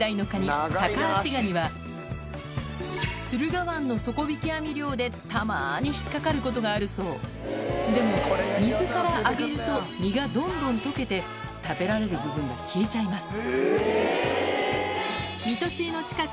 駿河湾の底引き網漁でたまに引っ掛かることがあるそうでも水から揚げると身がどんどん溶けて食べられる部分が消えちゃいます